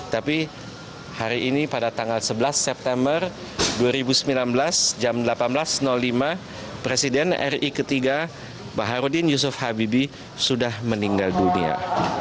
tapi hari ini pada tanggal sebelas september dua ribu sembilan belas jam delapan belas lima presiden ri ketiga baharudin yusuf habibie sudah meninggal dunia